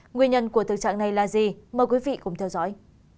nguyên nhân của thực trạng này là gì mời quý vị cùng theo dõi